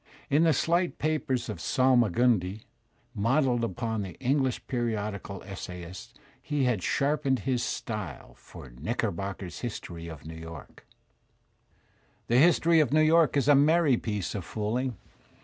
In the slight papers of Salmagundiy modelled upon the English periodical essay ists, he had sharpened his style for *'£jiickerbooker's History of New York/' The "History of New York*' is a merry piece of fooling.